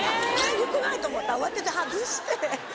よくないと思って慌てて外して。